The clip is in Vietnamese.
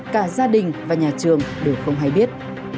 cả gia đình và nhà trường đều không hay biết